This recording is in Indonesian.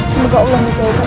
semoga allah menjauhkan